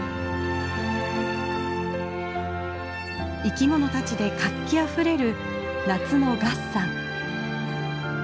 生き物たちで活気あふれる夏の月山。